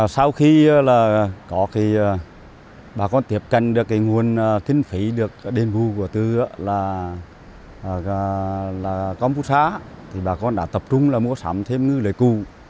sau khi bà con tiếp cận được nguồn thiên phí được đền hưu của tư là công phú xã bà con đã tập trung mua sắm thêm ngư lợi cù